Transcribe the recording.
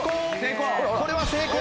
これは成功。